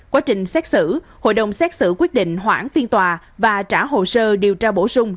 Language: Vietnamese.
quá trình xét xử hội đồng xét xử quyết định hoãn phiên tòa và trả hồ sơ điều tra bổ sung